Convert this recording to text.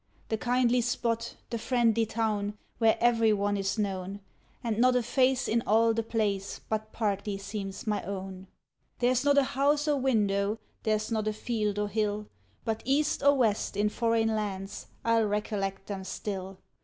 The kindly spot, the friendly town, where every one is known, And not a face in all the place but partly seems my own; There's not a house or window, there's not a field or hill, But, east or west, in foreign lands, I'll recollect them still.